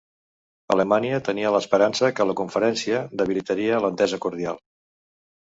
Alemanya tenia l'esperança que la Conferència debilitaria l'entesa cordial.